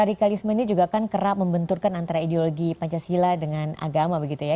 radikalisme ini juga kan kerap membenturkan antara ideologi pancasila dengan agama begitu ya